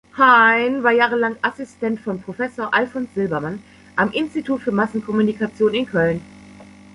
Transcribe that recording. Hein war jahrelang Assistent von Professor Alphons Silbermann am Institut für Massenkommunikation in Köln.